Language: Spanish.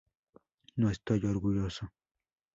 No estoy orgulloso.